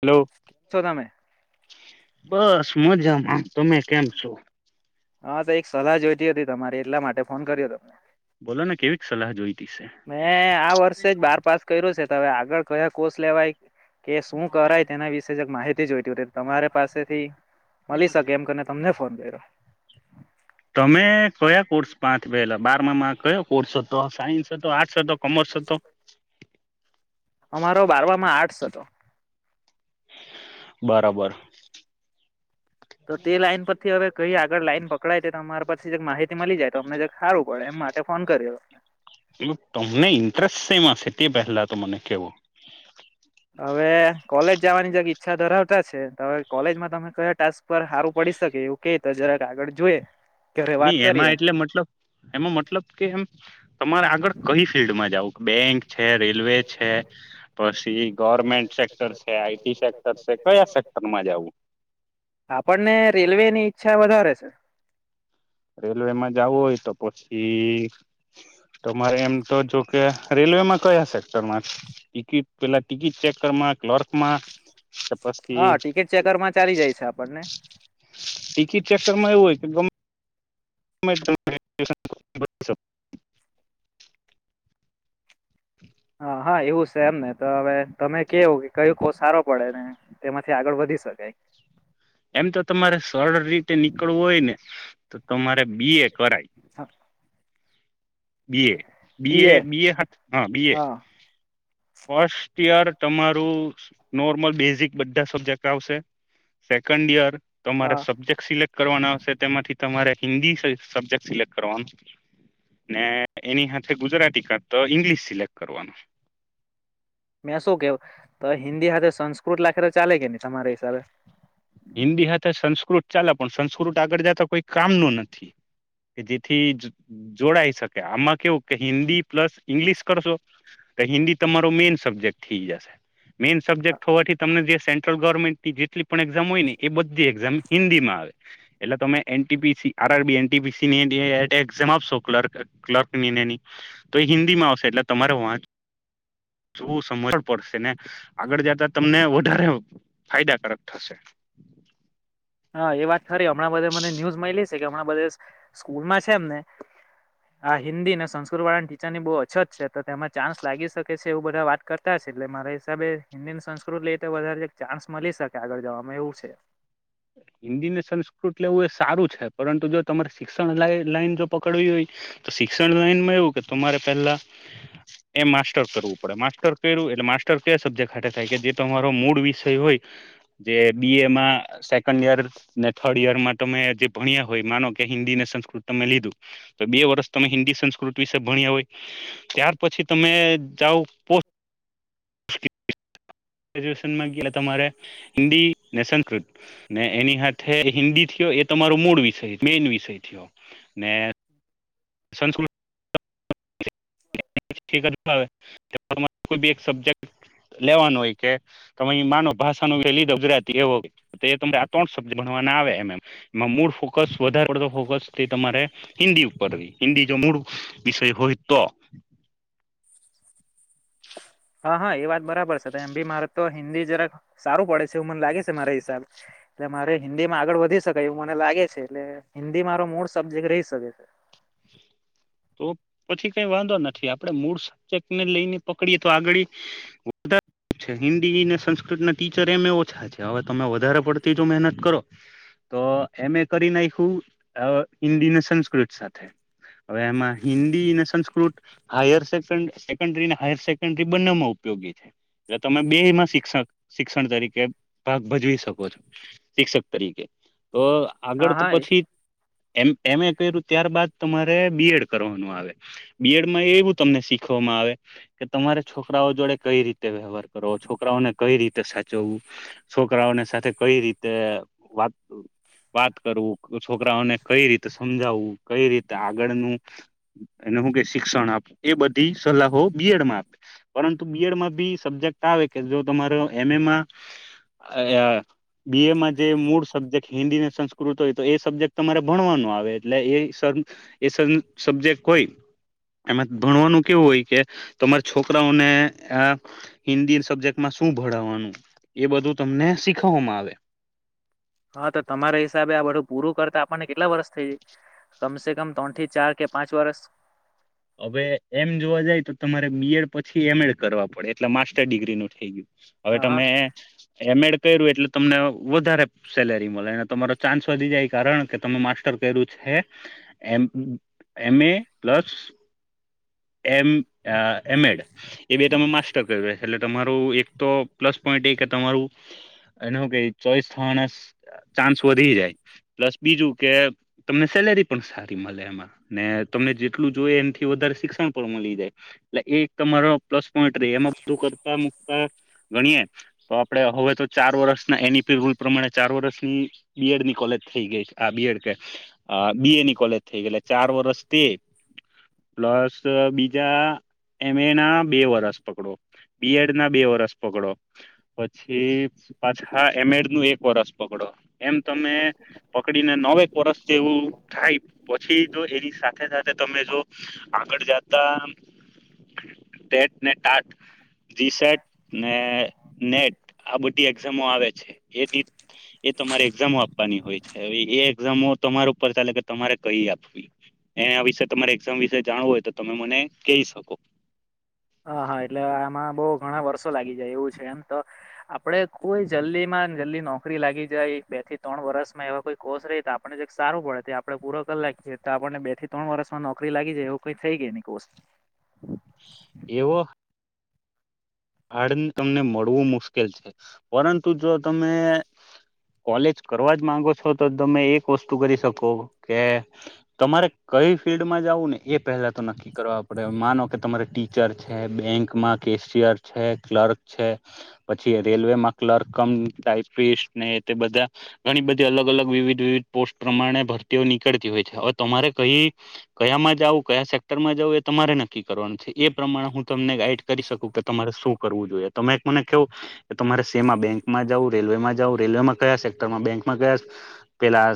Hello છો તમે બસ મજામા તમે કેમ છો હા તો એક સલાહ જોઈતી હતી તમારે એટલા માટે ફોન કર્યો તો બોલો ને કેવીક સલાહ જોઈ મેં આ વર્ષે જ બાર પાસ કર્યું છે ત હવે આગળ કયા કોર્સ લેવાય કે શું કરાય તેના વિશે જક માહિતી જોઈતી હોતી તમારી પાસેથી મલી શકે એમ કરીને તમને ફોન કર્યો તમે કયા કોર્સ પાંથ પહેલા બાર માં કયો કોર્સ હતો સાયન્સ હતો આર્ટસ હતો કોમર્સ હતો? અમારો બારવામાં આર્ટસ હતો. બરાબર તો તે લાઈન પરથી હવે કહી આગળ લાઈન પકડાય તે તમારા પરથી જક માહિતી મલી જાય તો અમને જક સારું પડે એમ માટે ફોન કરીયો એ તમને ઇન્ટરેસ્ટ સેમાશે તે પહેલા તો મને કેવો જાવાની જ ઈચ્છા ધરાવતા છે હવે કોલેજમાં તમે કયા ટાસ્ક પર હારું પડી શકે એવું કે તો જરાક આ ગળ જોઈએ ઘરે વાત ની કરીએ એમાં એટલે મતલબ એમાં મતલબ કે એમ તમારે આગળ કઈ ફિલ્ડમાં જાવ બેંક છે રેલવે છે પછી ગવર્મેન્ટ સેક્ટર છે આઈટી સેક્ટર છે કયા સેક્ટરમાં જવું [inaudible] આપણને રેલવેની ઈચ્છા વધારે છે રેલવેમાં જવું હોય તો પછી તમારે એમ તો જો કે રેલ રેલવેમાં કયા સેક્ટરમાં ટિકિટ પેલા ટિકિટ ચેક કર ક્લર્કમાં કે પછી હા ટિકિટ ચેકરમાં ચાલી જાય છે આપણને ટિકિટ ચેકરમાં એવું હોય ગમ [unintelligible] હા હા એવું છે એમ ને તો હવે તમે કેવું કે કયું કોર્સ સારો પડે ને તેમાંથી આગળ વધી સકાય એમ તો તમારે સરળ રીતે નીકળવું હોય ને તો તમારે BA [inaudible] B A B A B A હા બીએ ફર્સ્ટ યર તમારું નોર્મલ બેઝિક બધા સબ્જેક્ટ આવશે સેકન્ડ યર તમારે હા સબ્જેક્ટ સિલેક્ટ કરવાના આવશે તેમાંથી તમારે હિન્દી સબજેક્ટ સિલેક્ટ કરવાનું ને એની સાથે ગુજરાતી કાતો ઇંગ્લિશ સિલેક્ટ કરવાનું મેં શું કેવ તો હિન્દી હાથે સંસ્કૃત લખે તો ચાલે કે નહી તમારા હિસાબે હિન્દી હાથે સંસ્કૃત ચાલે પણ સંસ્કૃત આગળ જતા કોઈ કામનુ નથી. કે જેથી જોડાઈ શકે આમાં કેવું કે હિન્દી પ્લસ ઇંગ્લિશ કરશો તો હિન્દી તમારો મેન સબ્જેક્ટ થઈ જશે મેઈન સબ્જેક્ટ હોવાથી તમ જે સેન્ટ્રલ ગવર્મેન્ટની જેટલી પણ હોયને એ બધી એકઝામ હિન્દીમાં આવે એટલે તમે એનટી પીસી આરરબી એનટી પસીની ટેટ એકઝામ આપશો ક્લર્ક ક્લર્કની નેની તો એ હિન્દીમાં આવશે એટલે તમારે વાચ ચવુ સમજવ પડશે ને આગળ જતા તમને વધારે ફાયદાકારક થશે હા એ વાત ખરી હમણાં બધા મને ન્યૂઝ મયલી છે કે હમણાં બધા સ્કૂલમાં છે એમને હા હિન્દી ને સંસ્કૃત વાળાની ટીચરની બહુ અછત છે તો તેમાં ચાન્સ લાગી શકે છે એવું બધા વાત કરતા છે. એટલે મારા હિસાબે હિન્દી સંસ્કૃત લઈ તો વધારે ચાન્સ મળી શકે આગળ જવામાં એવું છે. હિન્દી ને સંસ્કૃત લેવું એ સારું છે પરંતુ જો તમારે શિક્ષણ લાઈન જો પકડવી હોય તો શિક્ષણ લાઈનમાં એવું કે તમારે પેલા. એમ માસ્ટર કરવું પડે માસ્ટર કર્યું એટલે માસ્ટર કયા સબ્જેક્ટ હા થાય કે જે તમારો મૂળ વિષય હોય જે બી એમાં ર ને થર્ડ યરમાં તમે જે ભણ્યા હોય માનો કે હિન્દી ને સંસ્કૃત તમે લીધું, તો બે વર્ષ તમે હિન્દી સંસ્કૃત વિશે ભણ્યા હોય, ત્યાર પછી તમે જાઓ પો હ [unintelligible] ગજ્યુએશનમાં ગયા તમારે, હિન્દી સંસ્કૃત, ને એની સાથે હિન્દી થયો એ તમારો મૂળ વિષય મેન વિષય થયો, ને હમ [unintelligible] સંસ્કૃત કો એક સબજેક્ટ [unintelligible] લેવાનું હોય કે, તમે માનો ભાષા ન લીધો ગુજરાતી એવો હોય તો એ ત આ ત્રણ શબ્દ ભણવા વધક તમારે હિન્દી ઉપર હિન્ મ વિષય હોય તો. હા હા એ વાત બરાબર છે એમ બી મારે તો હિન્દી જરાક સારું પડે છે એવું મને લાગે છે મારા હિસાબે. એટલે મારે હિન્દી માં આગળ વધી શકાય એવું મને લાગે છે એટલે હિન્દી મારો મૂળ સબ્જેક્ટ રહી શકે છે. [inaudible] તો પછી કઈ વાંધો નથી આપડે મૂળ સબ્જેક્ટ ને લઈને પકડીએ તો આગળ, વધારે છે હિન્દી ને સંસ્કૃત ના ટીચર એમ એ ઓછા છે હવે તમે વધારે પડતી જો મહેનત કરો. તો એમે કરી નાખ્યું હિન્દી ને સંસ્કૃત સાથે. હવે એમાં હિન્દી ને સંસ્કૃત, હાયર સ સેકન્ડ હાયર સેકન્ડરી બંનેમાં ઉપયોગી છે. એટ તમે બેમાં શિક્ષક શિક્ષણ તરીકે ભાગ ભજવી શકો છો, શિક્ષક તરીકે. તો આગળ હા તો હા પછી એમ એમે કર્યું ત્યારબાદ તમારે બી એડ કરવાનું આવે, બી એડમાં એવું તમને શીખવામાં આવે, કે તમારે છોકરાઓ જોડે કઈ રીતે વ્યવહાર કરો છોકરાઓને કઈ રીતે સાચવવું, છોકરાઓને સાથે કઈ રીતે વાત વાત કરવું છોકરાઓને કઈ રીતે સમજાવું કઈ રીત તે આગળનું, એને હું કે શિક્ષણ આપું એ બધી સલાહો બીએડમાં આપે. પરંતુ બીએડમાં બી સબ્જેક્ટ આવે કે જો તમારો એ મેમાં અ બીએમાં જે મૂળ સબ્જેક્ટ હિન્દી સંસ્કૃત હોય તો એ સબ્જેક્ટ તમારે ભણવાનો આવે એટલે એ સર એ સબ સબ્જેક્ટ હોય. એમાં ભણવાનું કેવું હોય કે, તમારા છોકરાઓને આ હિન્દી સબ્જેક્ટમાં શું ભણાવવાનું એ બધું તમને શીખવામાં આવે. હા તો તમારા હિસાબે આ બધું પૂરું કરતા આપણને કેટલા વર્ષ થઇ જાય? કમસે કમ ત્રણથી ચાર કે પાંચ વર્ષ હવે એમ જોવા જાય તો તમારે બી એડ પછી એમ એડ કરવા પડે એટલે માસ્ટર ડિગ્રીનું થઇ ગયું. હવે હા હા તમે એમ એડ કર્યું એટલે તમને વધારે સેલેરી મળે અને તમારો ચાન્સ વધી જાય કારણ કે તમે માસ્ટર કર્યું છે. હે એમ એમે પ્લસ એમ અ એમેડ એ બે તમે માસ્ટર કર્યુ એટલે તમારું એક તો પ્લસ પોઈન્ટ એ કે તમારું એને હું કેય ચોઈસ થવાના ચાન્સ વધી જાય. પ્લસ બીજું કે તમને સેલેરી પણ સારી મળે એમાં ને તમને જેટલું જોઈએ એમ થી વધારે શિક્ષણ પણ મળી જાય, એટલે એ એક તમારો પ્લસ પોઈન્ટ રે એમાં બધુ કરતા મુકતા ગણીએ, તો આપડે હવે તો ચાર વર્ષના એનપી રૂલ પ્રમાણે ચાર વર્ષની બી એડની કોલેજ થઈ ગઈ છે આ બી એડ કે અ, બી એની કોલેજ થઈ ગય ચાર વર્ષ તે. પ્લસ બીજા એ મે એ ના બે વર્ષ પકડો, બી એડ ના બે વર્ષ પકડો. પછી પાછા એમ એડનું એક વર્ષ પકડો. એમ તમે પકડીને નવેક વર્ષ જેવું થાય, પછી જો એની સાથે-સાથે તમે જો આગળ જાતા ટેટ ને ટાટ રિસટ ને નેટ આ બધી એક્ઝામો આવે છે. એ [unintelligible] એ તમારે એક્ઝામો આપવાની હોય છે. હવે એ એકઝામો તમારા ઉપર ચાલે કે તમારે કઈ આપવી. એના વિશે તમારે એક્ઝામ વિશે જાણવું હોય તો તમે મને કેઈ શકો. હા, હા એટલે એમાં બહું ઘણા વર્ષો લાગી જાય એવું છે એમ તો. આપડે કોઈ જલ્દીમાં માં જલ્દી નોકરી લાગી જાય, બે થી ત્રણ વર્ષમાં એવા કોઈ કોર્ષ રેય તો આપણે જરાક સારું પડે તે આપણે પૂરો કર લાખીયે, તો આપણને બે થી ત્રણ વર્ષમાં નોકરી લાગી જાય એવું કઈ થઈ કે ની કોર્સ? એવો હાડ તમને મળવું મુશ્કેલ છે. પરંતુ જો તમે કોલેજ કરવા જ માંગો છો તો તમે એક વસ્તુ કરી શકો, કે તમારે કઈ ફિલ્ડમાં જાવું ને એ પહેલા તો નક્કી કરવા પડે માનો કે તમારે ટીચર છે, બેંકમાં કે કેશીયર છે, ક્લર્ક છે, પછી આ રેલવેમાં ક્લર્ક કમ ટાઈપિસ્ટ ને એ તે બધા ઘણી બધી અલગ-અલગ વિવિધ-વિવિધ પોસ્ટ પ્રમાણે ભરતીઓ નીકળતી હોય છે. હવે તમારે કઈ કયામાં જાઉં, કયા સેક્ટરમાં જઉં એ તમારે નક્કી કરવાનું છે. એ પ્રમાણે હું તમને ગાઈડ કરી શકું કે તમારે શું કરવું જોઈએ. તમે એક મને કેવો કે તમારે સેમા બેંકમાં જાવુ, રેલવેમાં જાવુ, રેલવેમાં કયા સેક્ટરમાં બેંકમાં કયા પેલા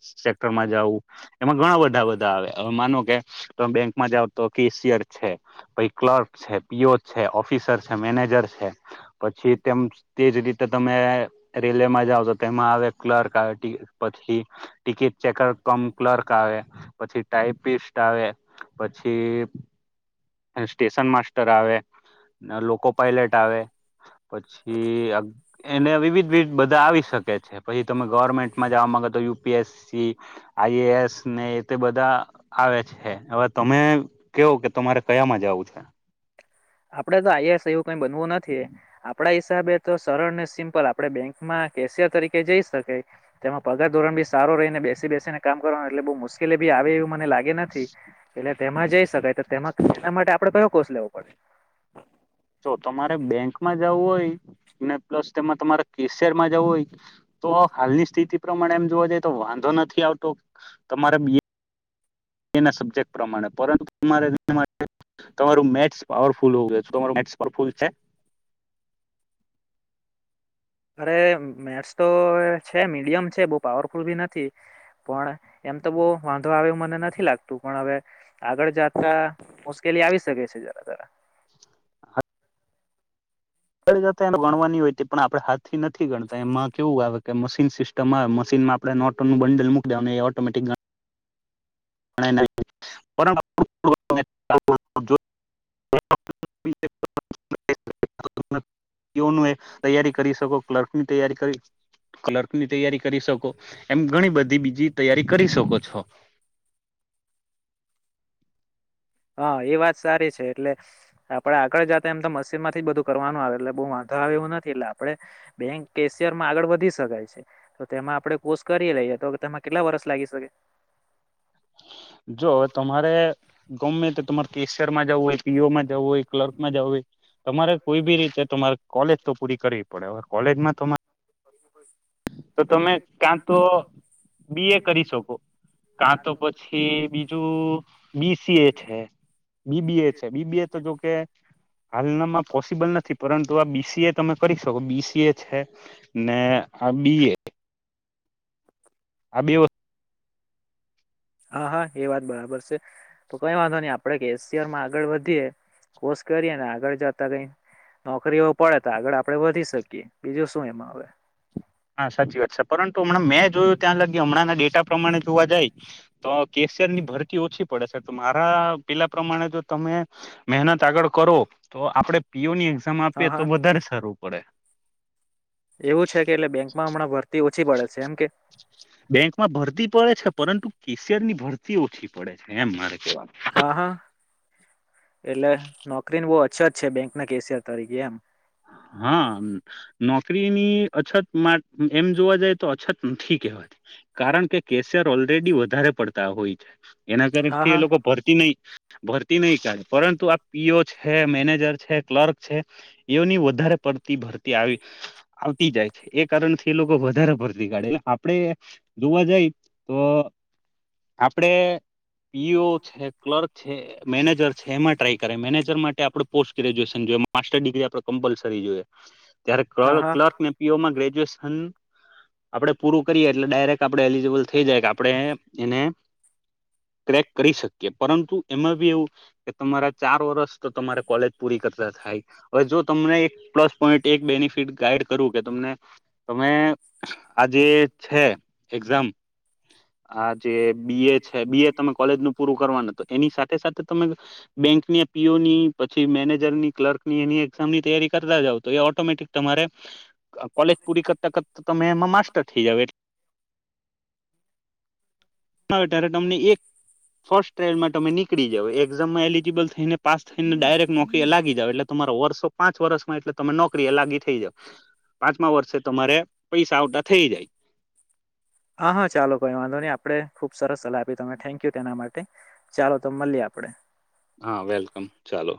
સેક્ટરમાં જાવુ એમાં ઘણા બધા-બધા આવે, હવે માનો કે તમે બેંકમાં જાવ તો કેશિયર છે, પહી ક્લર્ક છે, પી ઓ છે, ઓફ ફીસર છે, મેનેજર છે, પછી તેમ તેજ રીતે તમે રેલવેમાં જાઓ છો તેમ માં આવે ક્લર્ક ટી પછી ટિકિટ ચેકર કમ ક્લર્ક આવે, પછી ટાઈપિસ્ટ આવે, પછી ને સ્ટેશન માસ્ટર આવે, ને લોકો પાયલટ આવે. પછી અ એને વિવિધ વિધ બધા આવી શકે છે. પછી તમે ગવર્મેન્ટમાં જવા માંગો તો U P S C I S ને એ તો બધા આવે છે. હવે તમે કેવો કે તમારે કયામાં જવું છે? આપડે તો આઈ એસ એવું કઈ બનવું નથી. આપડા હિસાબે તો સરળ ને સિમ્પલ. આપણે બેંકમાં માં કેશિયર તરીકે જઈ શકે. તેમાં પગાર ધોરણ બી સારો રહીને બેસી-બેસીને કામ કરવાનો, એટલે બહુ મુશ્કેલી બી બી આવે એવું મને લાગે નથી, એટલે તેમાં જઈ શકાય. તો તેમા તેના માટે આપડે કયો કોર્ષ લેવો પડે? જો તમારે બેંકમાં જવું હોય પ્લસ તેમાં તમારે કેશિયર માં જવું હોય તો હાલની સ્થિતિ પ્રમાણે એમ જોવા જઈએ તો વાંધો નથી આવતો. તમારે બી એ ના સબ્જેક્ટ પ્રમાણે, પરંતુ મારે [unintelligible] તમારું મેથ્સ પાવરફુલ હોવું જોઈ. તમારું [unintelligible] મેથ્સ પાવરફૂલ છે? અરે મેથ્સ તો છે, મીડિયમ છે બહુ પાવરફુલ ભી નથી. પણ એમ તો બહું વાંધો આવે એવું મને નથી લાગતું, પણ હવે આગળ જાતા મુશ્કેલી આવી શકે છે. [inaudible] [inaudible] આગળ જતા એને ભણવાની હોય તે પણ આપણે હાથથી નથી ગણતા એમાં કેવું આવે કે મશીન સિસ્ટમ આવે, મશીન માં આપણે નોટો નું બંડલ મૂક દેવાનું એ ઓટોમેટિક ગ [inaudible] [inaudible] એઓ નો એ તૈયારી કરી શકો, ક્લર્કની તૈયારી કરી, ક્લર્ક ની તૈયારી કરી શકો. એમ ઘણી બધી બીજી તૈયારી કરી શકો છો. હા એ વાત સારી છે. એટલે આપડે આગળ જાતા એમ તો મશીન માંથી જ બધું કરવાનું આવે એટલે બહુ વાંધ ધો એવું નથી, એટલે આપડે બેંક કેશિયર માં આગળ વધી શકાય છે. તો તેમાં આપડે કોર્ષ કરી લઈ. કે તો તમે કેટલા વરસ લાગી શકે? જો તમારે ગમે તો તમારે કેસર માં જવું હોય પી ઓમાં જવું હોય ક્લર્ક માં જવું હોય તમારે કોઈ બી રીતે તમારે કોલેજ તો પૂરી કરવી પડે હવે કોલેજમાં તમારે. [inaudible] તો તમે ક્યાં તો બી એ કરી શકો. કા તો પછી બીજું બીસી એ છે. બીબી એ છે બીબી એ તો જોકે હાલનામાં પોસિબલ નથી. પરંતુ આ બીસીએ તમે કરી શકો બીસીએ છે ને આ બી એ આ બે વસ્તુ હા હા એ વાત બરાબર છે. તો કઈ વાંધો નહી આપણેે કેશિયર માં આગળ વધીએ. કોશ કરીએને આગળ જતા કઈ નોકરીઓ પડે તો આગળ આપણે વધી શકીએ બીજું શું એમાં આવે. હા સાચી વાત છે. પરંતુ હમણાં મેં જોયું ત્યાં લાગી હમણાં ના ડેટા પ્રમાણે જોવા જાય તો કે કેશિયર ની ભરતી ઓછી પડે છે તો મારા પેલા પ્રમાણે જો તમે મહેનત આગળ કરો. તો આપડે પીઓ ની એક્ઝામ આપીએ હા તો હા વધારે સારું પડે. એવું છે કે એટલે બેંકમાં હમણાં ભરતી ઓછી પડે છે એમ કે બેંકમાં ભરતી પડે છે પરંતુ ક કેશિયરની ની ભરતી ઓછી પડે છે એમ મારે કેવાનું હા હા એટલે નોકરીને બહ અછત છે બેંક ના કેશિયર તરીકે એમ. હાં. હા નોકરીની અછત એમ જોવા જાય તો અછત નથી કહેવાતી. કારણ કે કેસિયર‌ ઓલરેડી વધારે પડતા હોય છે. એના હા કારમથી એ હા લોકો ભરતી નહી. ભરતી નહી કાઢે પરંતુ આ પીઓ છે, મેનેજર છે, ક્લર્ક છે એવુની વધારે પડતી ભરતી આવી આવતી જાય છે. એ કારણથી એ લોકો વધારે ભરતી કાઢેને આપડે જોવા જાઈ તો આપડે પી ઓ છે, ક્લર્ક છે, મેનેજર છે. એમાં ટ્રાય કરે મેનેજર માટે આપડુ પોસ્ટ ગ્રેજ્યુએશન જોએ માસ્ટર ડિગ્રી આપણે કમ્પલસરી જોઈએ હા ત્યારે હા ક્લર્ક ને પીઓમાં ગે [unintelligible] સન આપડે પૂરું કરીએ એટલે ડાયરેક્ટ આપડે એલિજીબલ થઈ જાય કે આપણેે એને ક્રેક કરી શકીએ. પરંતુ એમાં ભી એવું કે તમારા ચાર વર્ષ તો તમારે કોલેજ પૂરી કરતા થાય હવે જો તમને એક પ્લસ પોઈન્ટ એક બેનિફિટ ગાઈડ કરવું કે તમને તમે આજે છે એક્ઝામ આ જે બી એ છે બી એ તમે કોલેજ નું પૂરું કરવાનું તો એની સાથે સાથે તમે બેંક ની પી ઓ ની પછી મેનેજર ની ક્લર્ક ની એની એક [unintelligible] ની તૈયારી કરતા જાવ તો એ ઓટોમેટિક તમારે કોલેજ પૂરી કરતા કરતા તમે એમાં માસ્ટર થઇ જાવો એ ત્યારે તમને એક ફર્સ્ટ ટ્રાયલમાં તમે નીકળી જાવ એક્ઝામમાં એલિજીિબલ થઈને પાસ થઈને ડાયરેક્ટ નોકરી લગી જાવ એટલે તમારો વર્ષ પાંચ વર્ષમાં એટલે તમે નોકરી એ લાગી થઈ જાવ પાંચમા વર્ષે તમારે પૈસા આવતા થઈ જાય હા હા ચાલો કોઈ વાંધો નહી આપડે ખુબ સરસ સલાહ આપી તમે થેન્ક યુ તેના માટે ચાલો તો મલીએ આ આપળે હા વેલકમ ચાલો